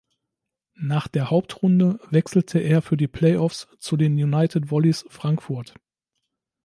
Nach der Hauptrunde wechselte er für die Playoffs zu den United Volleys Frankfurt.